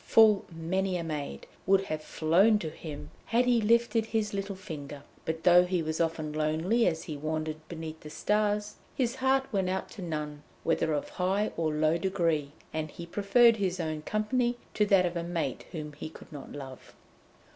Full many a maid would have flown to him had he lifted his little finger, but though he was often lonely as he wandered beneath the stars, his heart went out to none, whether of high or low degree, and he preferred his own company to that of a mate whom he could not love.